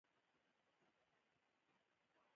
مهرباني د انسانۍ ښکلا ده.